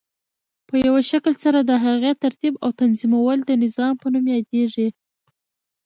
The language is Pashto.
په یوه شکل سره د هغی ترتیب او تنظیمول د نظام په نوم یادیږی.